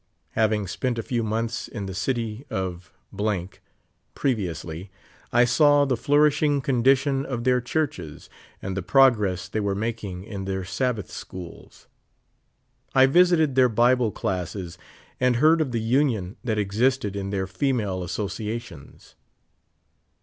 Having spent a few months in the city of previoush% I saw the flourishing condition of their churches and the progress they ^ere making in their Sabbath scliools. I visited their Bible classes and heard of the union that existed in their female associations.